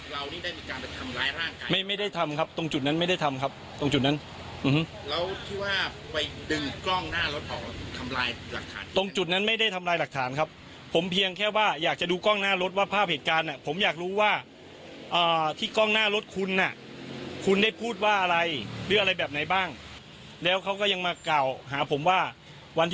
เรานี่ได้มีการไปทำลายร่างกาย